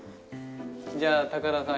じゃあ高田さん